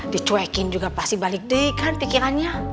dicuekin juga pasti balik di kan pikirannya